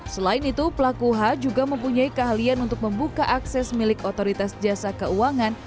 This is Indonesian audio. selain itu pelaku h juga mempunyai keahlian untuk membuka akses milik otoritas jasa keuangan